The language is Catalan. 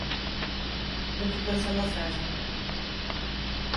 No puc pensar en la frase.